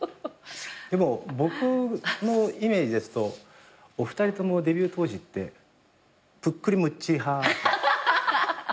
でも僕のイメージですとお二人ともデビュー当時ってぷっくりむっちり派。